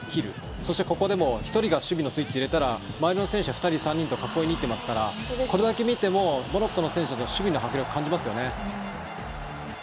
そしてここでも１人が守備のスイッチを入れたら周りの選手は２人、３人と囲いに行ってますからこれだけ見てもモロッコの選手たちの守備の迫力を感じますよね。